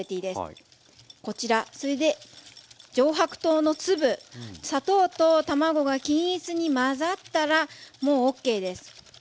こちらそれで上白糖の粒砂糖と卵が均一に混ざったらもうＯＫです。